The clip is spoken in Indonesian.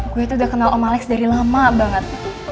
gue tuh udah kenal om alex dari lama banget